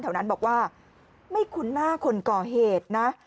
แถวนั้นบอกว่าไม่คุ้นหน้าคนก่อเหตุนะ